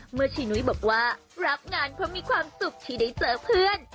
ชีนุ้ยบอกว่ารับงานเพราะมีความสุขที่ได้เจอเพื่อน